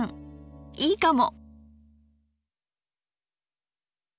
いいかも。